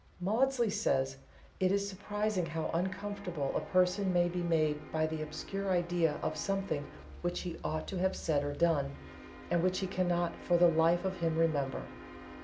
Maudsley says: "It is surprising how uncomfortable a person may be made by the obscure idea of something which he ought to have said or done, and which he cannot for the life of him remember.